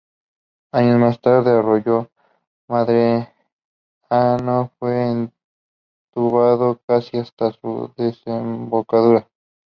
Años más tarde el arroyo Medrano fue entubado casi hasta su desembocadura.